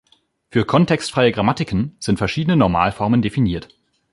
Für kontextfreie Grammatiken sind verschiedene Normalformen definiert.